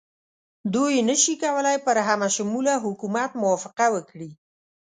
دوی نه شي کولای پر همه شموله حکومت موافقه وکړي.